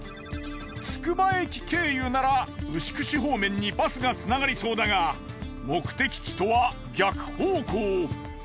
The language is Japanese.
つくば駅経由なら牛久市方面にバスがつながりそうだが目的地とは逆方向。